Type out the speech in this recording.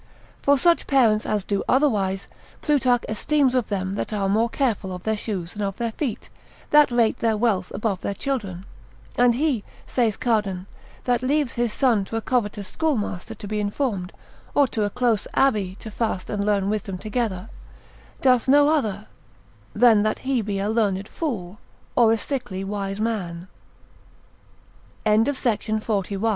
For such parents as do otherwise, Plutarch esteems of them that are more careful of their shoes than of their feet, that rate their wealth above their children. And he, saith Cardan, that leaves his son to a covetous schoolmaster to be informed, or to a close Abbey to fast and learn wisdom together, doth no other, than that he be a learn